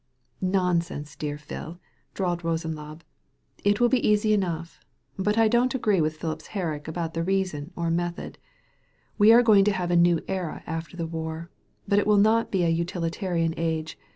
•'Nonsense, dear Phil," drawled Bosenlaube; ''it will be easy enough. But I don't agree with Phipps Herrick about the reason or method. We are going to have a new era after the war. But it will not be a utilitarian age.